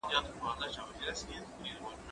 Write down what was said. هغه وويل چي وخت تېریدل ضروري دي!؟